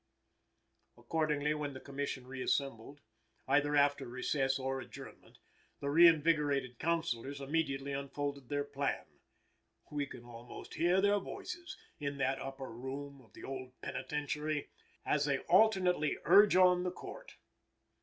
Accordingly, when the Commission reassembled, either after recess or adjournment, the reinvigorated counsellors immediately unfolded their plan. We can almost hear their voices, in that upper room of the Old Penitentiary, as they alternately urge on the Court.